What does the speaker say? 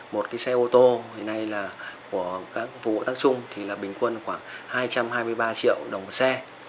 một xe ô tô hiện nay của các phụ vụ tác chung là bình quân khoảng hai trăm hai mươi ba triệu đồng xe